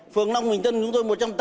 phường long bình tân chúng tôi